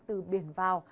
từ biển vào